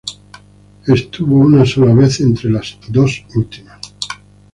Solo estuvo una sola vez entre las últimas dos.